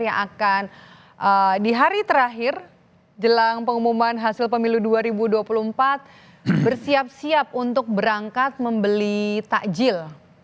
yang akan di hari terakhir jelang pengumuman hasil pemilu dua ribu dua puluh empat bersiap siap untuk berangkat membeli takjil